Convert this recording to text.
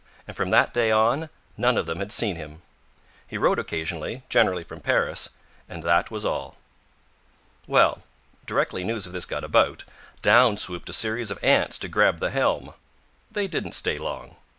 And from that day on none of them had seen him. He wrote occasionally, generally from Paris; and that was all. Well, directly news of this got about, down swooped a series of aunts to grab the helm. They didn't stay long.